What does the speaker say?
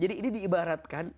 jadi ini diibaratkan